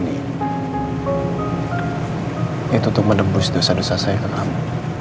itu untuk menebus dosa dosa saya ke kamu